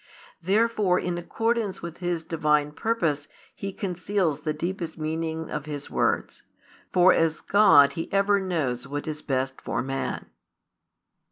Therefore in accordance with His Divine purpose He conceals the deepest meaning of His words: for as God He ever knows what is best for man.